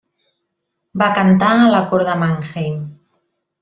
Va cantar en la cort de Mannheim.